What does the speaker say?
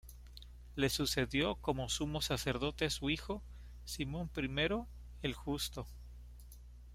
Le sucedió como Sumo Sacerdote su hijo, Simón I el Justo.